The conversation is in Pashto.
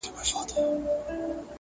هر څوک له بل لرې دي